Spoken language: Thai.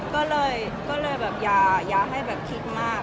ก็เลยอย่าให้คิดมาก